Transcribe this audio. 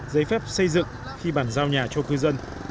giấy phép xây dựng khi bàn giao nhà cho cư dân